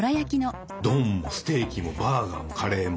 丼もステーキもバーガーもカレーも。